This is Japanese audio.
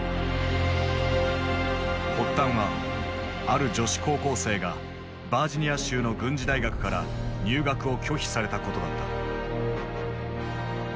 発端はある女子高校生がバージニア州の軍事大学から入学を拒否されたことだった。